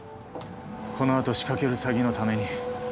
このあと仕掛ける詐欺のために